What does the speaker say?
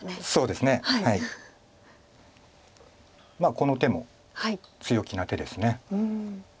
この手も強気な手です。